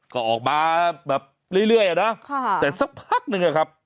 ก็ออกมาแบบเรื่อยอ่ะนะแต่สักพักหนึ่งอะครับ